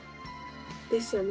ですよね。